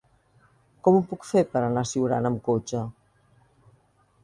Com ho puc fer per anar a Siurana amb cotxe?